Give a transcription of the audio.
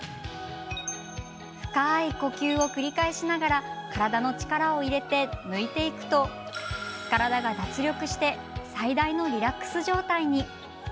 深い呼吸を繰り返しながら体の力を入れて抜いていくと体が脱力して最大のリラックス状態に。